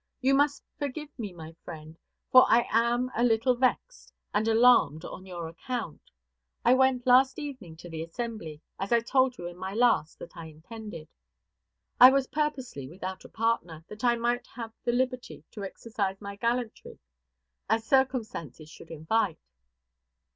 You must forgive me, my friend, for I am a little vexed and alarmed on your account. I went last evening to the assembly, as I told you in my last that I intended. I was purposely without a partner, that I might have the liberty to exercise my gallantry as circumstances should invite.